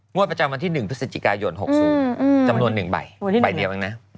งวดประจำวันที่๑พฤศจิกายน๖๐จำนวน๑ใบ๑ใบเดียว